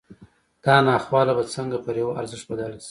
دا ناخواله به څنګه پر یوه ارزښت بدله شي